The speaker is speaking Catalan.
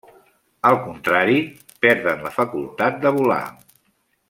Al contrari, perden la facultat de volar.